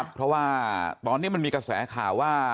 เพราะว่าตอนนี้มันมีกระแสข่าวว่า